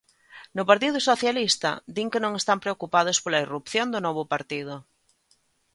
No Partido Socialista din que non están preocupados pola irrupción do novo partido.